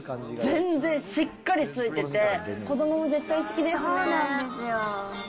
全然しっかりついてて、子どもも絶対好きですね。